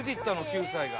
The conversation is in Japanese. ９歳が」